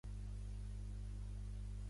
El lloc està assenyalat com a Dhruva Teela.